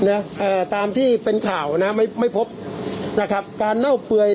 เอ่อตามที่เป็นข่าวนะไม่ไม่พบนะครับการเน่าเปื่อย